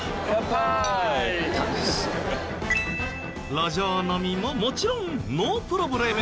路上飲みももちろんノープロブレム。